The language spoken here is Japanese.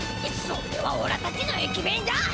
それはおらたちの駅弁だ！